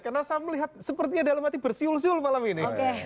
karena saya melihat sepertinya dalam hati bersiul siul malam ini